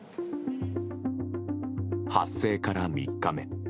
発生から３日目。